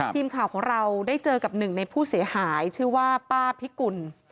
ทีมข่าวของเราได้เจอกับหนึ่งในผู้เสียหายชื่อว่าป้าพิกุล